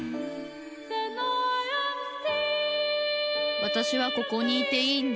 わたしはここにいていいんだ